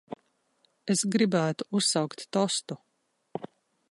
Es gribētu uzsaukt tostu.